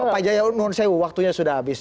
pak jaya mohon saya waktunya sudah habis